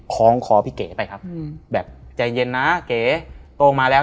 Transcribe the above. คล้องคอพี่เก๋ไปครับแบบใจเย็นนะเก๋โตมาแล้ว